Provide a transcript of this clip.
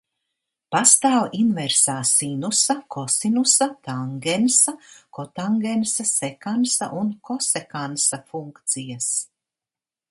Pastāv inversā sinusa, kosinusa, tangensa, kotangensa, sekansa un kosekansa funkcijas.